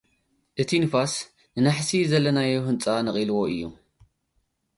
እቲ ንፋስ፡ ንናሕሲ'ቲ ዘለናዮ ህንጻ ነቒልዎ እዩ።